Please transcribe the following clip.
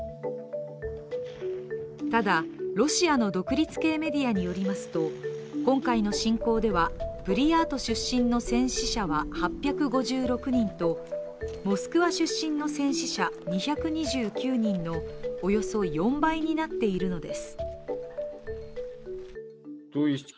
ただ、ロシアの独立系メディアによりますと今回の侵攻ではブリヤート出身の戦死者は８５６人とモスクワ出身の戦死者２２９人のおよそ４倍になっているのです。